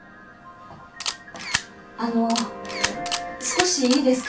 あの少しいいですか？